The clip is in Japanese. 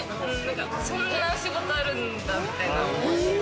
そんな仕事あるんだみたいな。